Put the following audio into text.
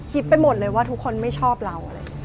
คิดไปหมดเลยว่าทุกคนไม่ชอบเรา